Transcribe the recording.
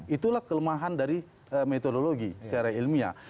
itulah kelemahan dari metodologi secara ilmiah